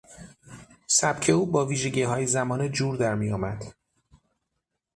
سبک او با ویژگیهای زمانه جور در میآمد.